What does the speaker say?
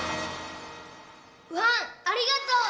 ワンありがとう！